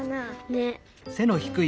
ねっ。